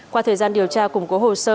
qua thời gian điều tra củng cố hồ sơ